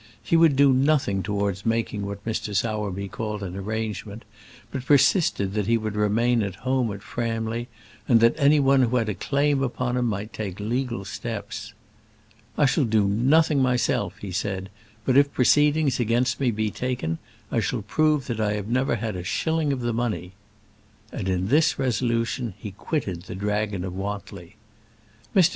He would do nothing towards making what Mr. Sowerby called an arrangement, but persisted that he would remain at home at Framley, and that any one who had a claim upon him might take legal steps. "I shall do nothing myself," he said; "but if proceedings against me be taken, I shall prove that I have never had a shilling of the money." And in this resolution he quitted the Dragon of Wantly. Mr.